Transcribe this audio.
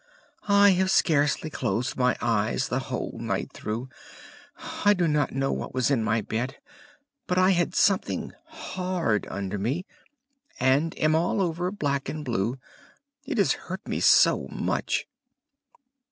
"I have scarcely closed my eyes the whole night through. I do not know what was in my bed, but I had something hard under me, and am all over black and blue. It has hurt me so much!"